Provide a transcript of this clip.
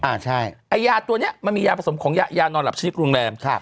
ไอ้ยาตัวเนี้ยมันมียาผสมของยานอนหลับชนิดโรงแรมครับ